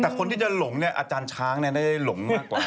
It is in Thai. แต่คนที่จะหลงเนี่ยอาจารย์ช้างได้หลงมากกว่า